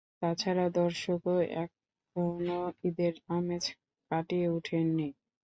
তা ছাড়া দর্শকও এখনো ঈদের আমেজ কাটিয়ে ওঠেননি।